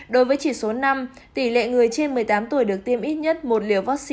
đối với chỉ số năm tỉ lệ người trên một mươi tám tuổi được tiêm ít nhất một liều vaccine phòng covid một mươi chín